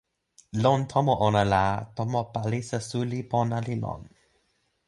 lon tomo ona la, tomo palisa suli pona li lon.